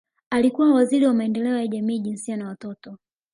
Alikuwa Waziri wa Maendeleo ya Jamii Jinsia na Watoto